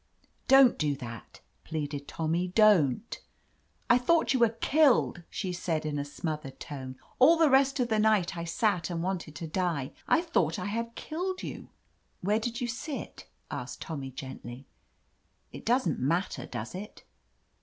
"Don't do that !" pleaded Tommy. "Don't !" "I thought you were killed!" she said, in a smothered tone. "All the rest of the night I sat and wanted to die. I thought I had killed you!" "Where did you sit ?" asked Tommy gently. "It doesn't matter, does it